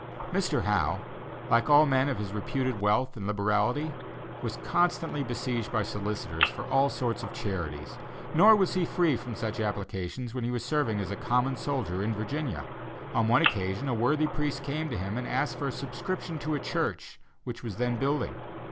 Mr. Howe, like all men of his reputed wealth and liberality, was constantly besieged by solicitors for all sorts of charities, nor was he free from such applications when he was serving as a common soldier in Virginia. On one occasion a worthy priest came to him and asked for a subscription to a church which was then building.